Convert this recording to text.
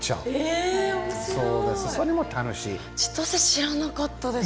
知らなかったです。